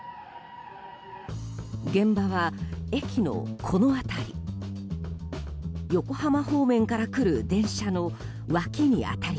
現場は駅のこの辺り。